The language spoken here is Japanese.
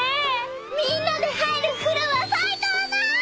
みんなで入る風呂は最高だ！